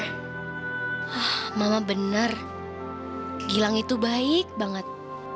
ah mama bener gilang itu baik banget